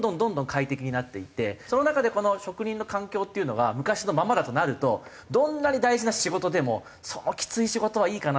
快適になっていってその中で職人の環境っていうのが昔のままだとなるとどんなに大事な仕事でもそのきつい仕事はいいかなっていう。